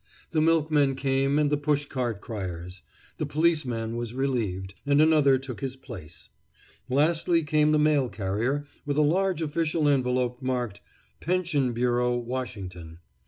The milkmen came, and the push cart criers. The policeman was relieved, and another took his place. Lastly came the mail carrier with a large official envelop marked, "Pension Bureau, Washington."